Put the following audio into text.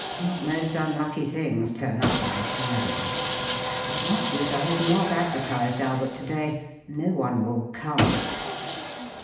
what most unlucky things turn up on a Friday! I much wish I had not advertised Albert to day no one will come."